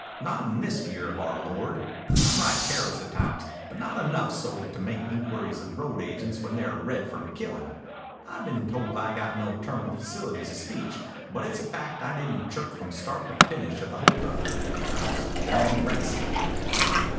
Not in this year of our Lord. I'm right careless at times, but not enough so to make inquiries of road agents when they're red from killin'. I been told I got no terminal facilities of speech, but it's a fact I didn't chirp from start to finish of the hold up. I was plumb reticent."